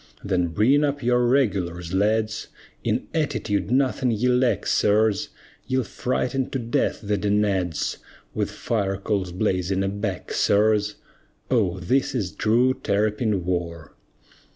Then bring up your "regulars," lads, In "attitude" nothing ye lack, sirs, Ye'll frighten to death the Danads, With fire coals blazing aback, sirs! Oh, this is true Terrapin war!